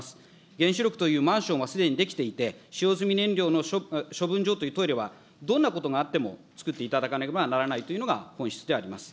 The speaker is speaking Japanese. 原子力というマンションはすでに出来ていて、使用済み燃料の処分場というトイレはどんなことがあっても作っていただかなければならないというのが本質であります。